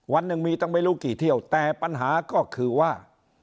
วันหนึ่งมีตั้งไม่รู้กี่เที่ยวแต่ปัญหาก็คือว่า